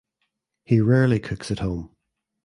He rarely cooks at home.